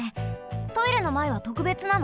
トイレのまえはとくべつなの？